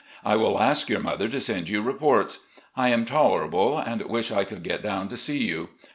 I will ask your mother to send you reports. I am tolerable and wish I could get down to see you.